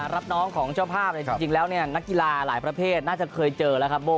รับน้องของเจ้าภาพจริงแล้วนักกีฬาหลายประเภทน่าจะเคยเจอแล้วครับโบ้